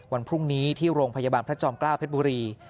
วันพรุ่งนี้ที่โรงพยาบาลพระจอมเกล้าเพชรบุรี